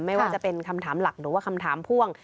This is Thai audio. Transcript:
ไม่ว่าจะเป็นคำถามหลักหรือว่าคำถามพ่วง